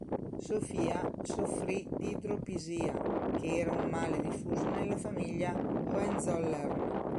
Sofia soffrì d'idropisia, che era un male diffuso nella famiglia Hohenzollern.